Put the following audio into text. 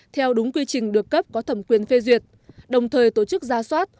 theo đúng quy trình được cấp có thẩm quyền phê duyệt đồng thời tổ chức ra soát